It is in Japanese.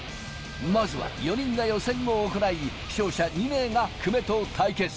まずは４人が予選を行い、勝者２名が久米と対決。